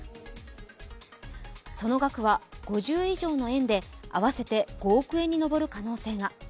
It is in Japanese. その額は５０以上の園で合わせて５億円に上る可能性が。